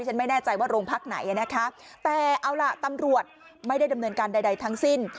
ฉันไม่แน่ใจว่าโรงพักไหนนะคะแต่เอาล่ะตำรวจไม่ได้ดำเนินการใดทั้งสิ้น